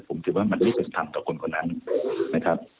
ผมถือว่ามันไม่เป็นธรรมต่อคนคนนั้นนะครับ